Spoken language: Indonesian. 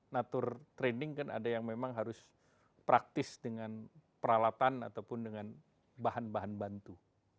natur training kan ada yang memang harus praktis dengan peralatan ataupun dengan bahan bahan bantu